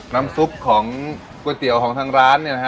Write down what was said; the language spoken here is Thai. น้ำซุปของก๋วยเตี๋ยวของทางร้าน